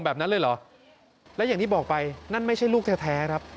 แบบนั้นเลยเหรอและอย่างที่บอกไปนั่นไม่ใช่ลูกแท้ครับ